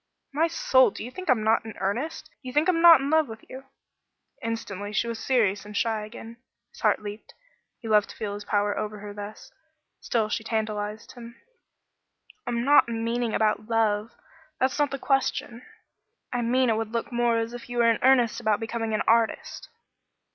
"My soul! Do you think I'm not in earnest? Do you think I'm not in love with you?" Instantly she was serious and shy again. His heart leaped. He loved to feel his power over her thus. Still she tantalized him. "I'm not meaning about loving me. That's not the question. I mean it would look more as if you were in earnest about becoming an artist."